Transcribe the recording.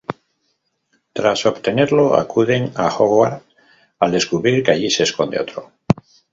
Tras obtenerlo, acuden a Hogwarts al descubrir que allí se esconde otro.